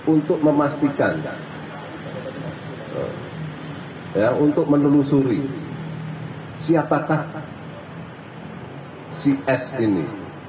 untuk memastikan untuk menelusuri siapakah cs ini